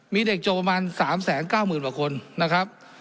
มีเด็กจบประมาณ๓๙๐๐๐กว่าคนนะครับ